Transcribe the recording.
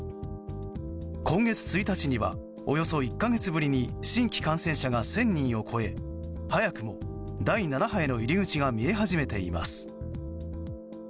今月１日にはおよそ１か月ぶりに新規感染者が１０００人を超え早くも第７波への入り口が見え始めています。